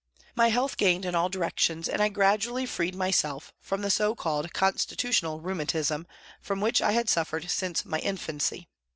My health gained in all directions and I gradually freed myself from the so called " constitutional " rheumatism from which I had suffered since my infancy.